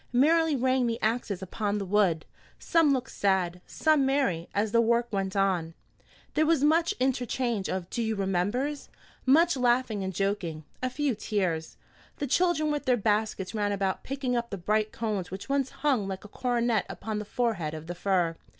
Merrily rang the axes upon the wood. Some looked sad, some merry, as the work went on. There was much interchange of "Do you remembers," much laughing and joking, a few tears. The children with their baskets ran about picking up the bright cones which once hung like a coronet upon the forehead of the fir.